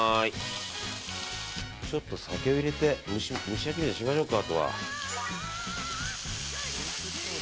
ちょっと酒を入れて蒸し焼きみたいにしましょうか。